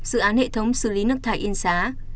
dự án hệ thống xử lý nước thải yên xá